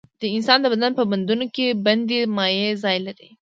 د انسان د بدن په بندونو کې بندي مایع ځای لري.